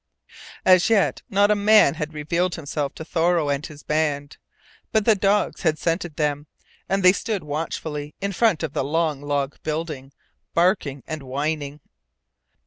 As yet not a man had revealed himself to Thoreau and his band. But the dogs had scented them, and they stood watchfully in front of the long log building, barking and whining.